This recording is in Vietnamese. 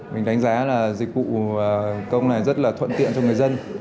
mình đánh giá là dịch vụ công này rất là thuận tiện cho người dân